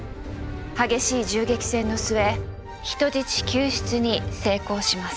激しい銃撃戦の末人質救出に成功します。